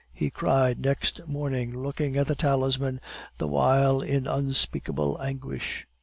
he cried next morning, looking at the talisman the while in unspeakable anguish.